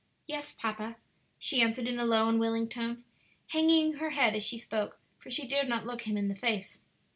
"Yes, papa," she answered in a low, unwilling tone, hanging her head as she spoke, for she dared not look him in the face.